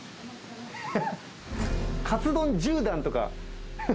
「かつ丼１０段」とか。